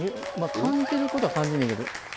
感じることは感じんねんけど。